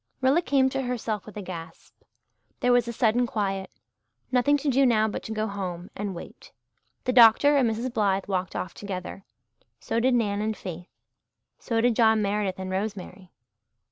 Rilla came to herself with a gasp. There was a sudden quiet. Nothing to do now but to go home and wait. The doctor and Mrs. Blythe walked off together so did Nan and Faith so did John Meredith and Rosemary.